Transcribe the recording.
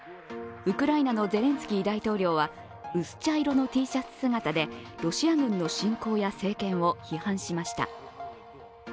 ウクライナのゼレンスキー大統領は、薄茶色のＴシャツ姿でロシア軍の侵攻や政権を批判しました。